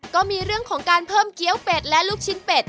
ก็มีเรื่องของการเพิ่มเกี้ยวเป็ดและลูกชิ้นเป็ด